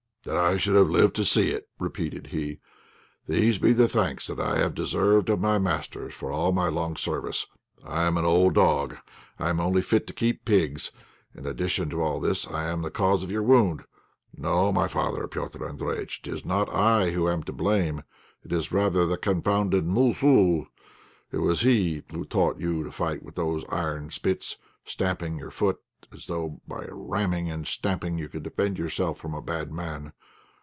"That I should have lived to see it!" repeated he. "These be the thanks that I have deserved of my masters for all my long service. I am an old dog. I'm only fit, to keep pigs, and in addition to all this I am the cause of your wound. No, my father, Petr' Andréjïtch, 'tis not I who am to blame, it is rather the confounded 'mossoo;' it was he who taught you to fight with those iron spits, stamping your foot, as though by ramming and stamping you could defend yourself from a bad man.